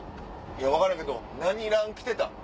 分からへんけど何ラン着てた？